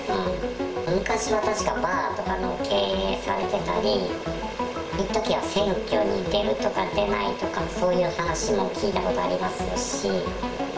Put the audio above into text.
昔は、確かバーとかの経営されてたり、いっときは選挙に出るとか出ないとか、そういう話も聞いたことありますし。